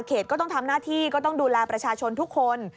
เขตก็ต้องทำหน้าที่ก็ต้องดูแลประชาชนทุกคน